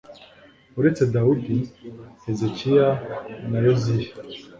uretse dawudi, hezekiya na yoziya